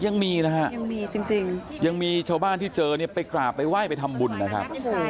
ยังมีนะฮะยังมีชาวบ้านที่เจอไปกราบไปไหว้ไปทำบุญนะครับ